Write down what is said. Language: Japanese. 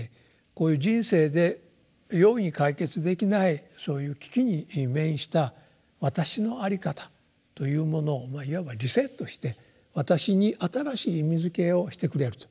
こういう人生で容易に解決できないそういう危機に面した私のあり方というものをいわばリセットして私に新しい意味づけをしてくれると。